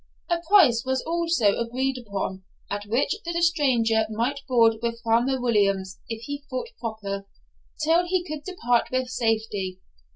A price was also agreed upon, at which the stranger might board with Farmer Williams if he thought proper, till he could depart with safety.